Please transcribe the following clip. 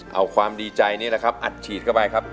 เอาความดีใจนี่แหละครับอัดฉีดเข้าไปครับ